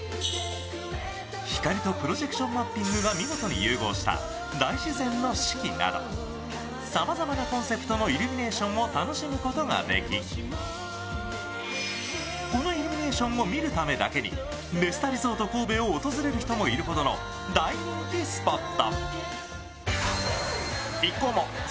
光とプロジェクションマッピングが見事に融合した大自然の四季などさまざまなコンセプトのイルミネーションを楽しむことができ、このイルミネーションを見るためだけにネスタイルミナを訪れる人もいるほどの大人気スポット。